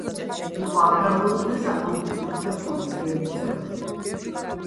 იყო აგრარული და საკონსტიტუციო კომისიების წევრი.